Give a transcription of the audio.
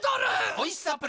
おいしさプラス